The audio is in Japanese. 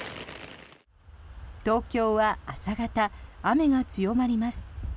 東京は朝方、雨が強まります。